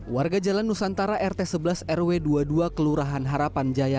warga jalan nusantara rt sebelas rw dua puluh dua kelurahan harapan jaya